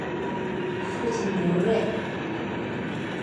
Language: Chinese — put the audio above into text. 父亲刘锐。